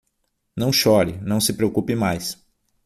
Não chore, não se preocupe mais.